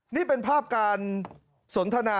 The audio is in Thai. นี่เป็นภาพการสนทนา